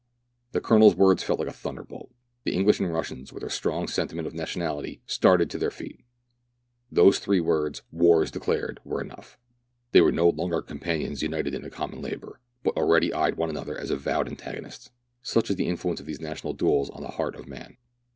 The Colonel's words fell like a thunderbolt. The English and Russians, with their strong sentiment of nationality, started to their feet. Those three words, " War is declared," were enough. They were no longer companions united in a common labour, but already eyed one another as avowed antagonists. Such is the influence of these national duels on the heart of man.